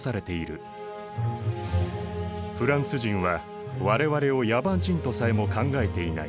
「フランス人は我々を野蛮人とさえも考えていない。